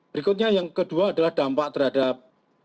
berikutnya yang kedua adalah dampak terhadap